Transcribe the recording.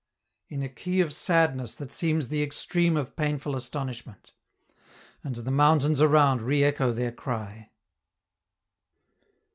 in a key of sadness that seems the extreme of painful astonishment. And the mountains around reecho their cry.